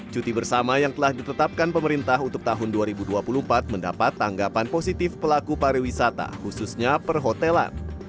cuti bersama yang telah ditetapkan pemerintah untuk tahun dua ribu dua puluh empat mendapat tanggapan positif pelaku pariwisata khususnya perhotelan